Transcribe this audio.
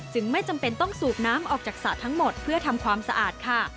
ไม่จำเป็นต้องสูบน้ำออกจากสระทั้งหมดเพื่อทำความสะอาดค่ะ